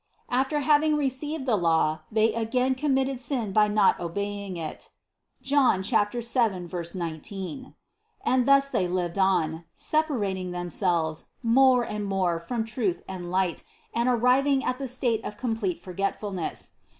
After having received the law, they again com mitted sin by not obeying it (John 7, 19) and thus they lived on, separating themselves more and more from truth and light and arriving at the state of complete for getfulness.